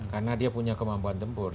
karena dia punya kemampuan tempur